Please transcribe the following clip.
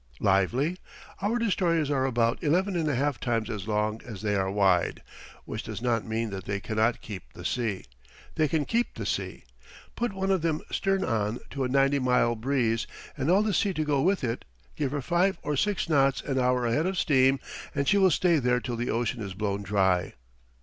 Lively? Our destroyers are about 11 1/2 times as long as they are wide; which does not mean that they cannot keep the sea. They can keep the sea. Put one of them stern on to a 90 mile breeze and all the sea to go with it, give her 5 or 6 knots an hour head of steam, and she will stay there till the ocean is blown dry.